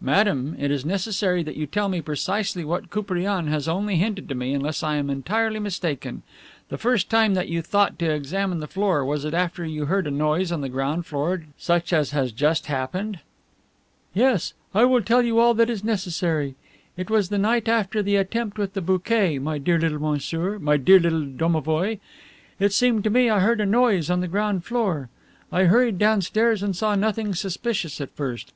"Madame, it is necessary that you tell me precisely what Koupriane has only hinted to me, unless I am entirely mistaken. The first time that you thought to examine the floor, was it after you heard a noise on the ground floor such as has just happened?" "Yes. I will tell you all that is necessary. It was the night after the attempt with the bouquet, my dear little monsieur, my dear little domovoi; it seemed to me I heard a noise on the ground floor. I hurried downstairs and saw nothing suspicious at first.